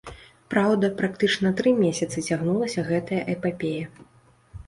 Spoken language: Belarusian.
Праўда, практычна тры месяцы цягнулася гэтая эпапея.